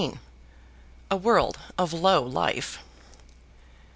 A World of Low Life.